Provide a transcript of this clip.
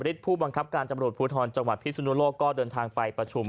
ผู้บังคับการตำรวจภูทรจังหวัดพิสุนุโลกก็เดินทางไปประชุม